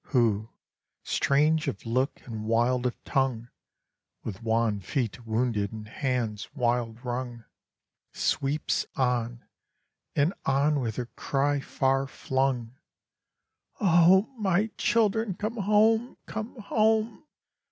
Who, strange of look, and wild of tongue, With wan feet wounded and hands wild wrung, Sweeps on and on with her cry, far flung, "O my children, come home, come home!